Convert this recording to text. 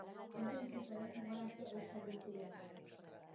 Kazinczy Ferenc barátja és segítője volt.